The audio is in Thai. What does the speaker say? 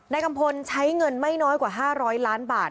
กัมพลใช้เงินไม่น้อยกว่า๕๐๐ล้านบาท